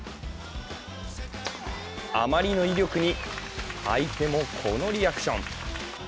あまりの威力に相手もこのリアクション。